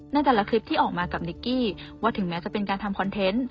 ในแต่ละคลิปที่ออกมากับนิกกี้ว่าถึงแม้จะเป็นการทำคอนเทนต์